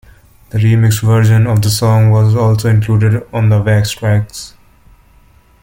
The remixed version of the song was also included on the Wax Trax!